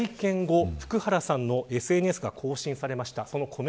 そして会見後、福原さんのＳＮＳが更新されました。